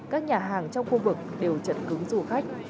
các nhà hàng trong khu vực đều chật cứng du khách